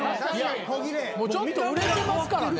ちょっと売れてますからね。